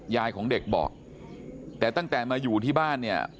ยายของเด็กบอกแต่ตั้งแต่มาอยู่ที่บ้านเนี่ย